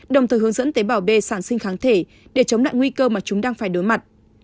đồng thời hướng dẫn tế bào b sản sinh kháng thể để chống lại nguy cơ mà chúng đang phải đối mặt